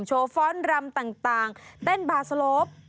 โชว์ฟ้อนต์รำต่างเต้นบาสโลฟ